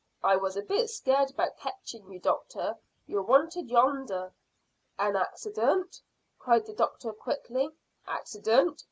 I was a bit scared about ketching you, doctor. You're wanted yonder." "An accident?" cried the doctor quickly. "Accident?"